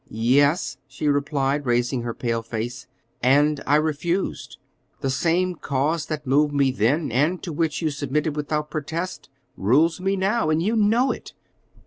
"Yes," she replied, raising her pale face; "and I refused. The same cause that moved me then, and to which you submitted without protest, rules me now, and you know it."